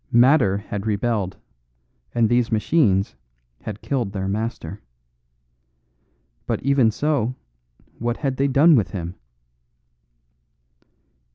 Matter had rebelled, and these machines had killed their master. But even so, what had they done with him?